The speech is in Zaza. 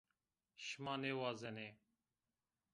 Şima nêwazenê.